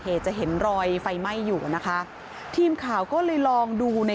จะเห็นรอยไฟไหม้อยู่อ่ะนะคะทีมข่าวก็เลยลองดูใน